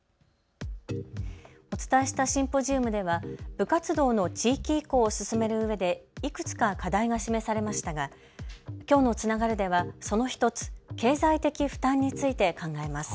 お伝えしたシンポジウムでは部活動の地域移行を進めるうえでいくつか課題が示されましたがきょうのつながるではその１つ経済的負担について考えます。